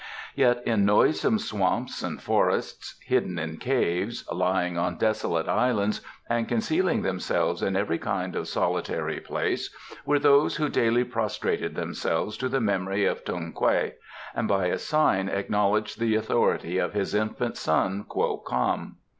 Yet in noisome swamps and forests, hidden in caves, lying on desolate islands, and concealing themselves in every kind of solitary place were those who daily prostrated themselves to the memory of Tung Kwei and by a sign acknowledged the authority of his infant son Kwo Kam.